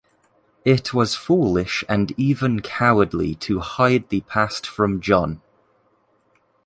It was foolish and even cowardly to hide the past from Jon.